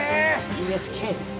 ＵＳＫです。